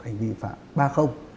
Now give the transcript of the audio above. hành vi vi phạm ba